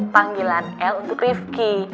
panggilan el untuk rifki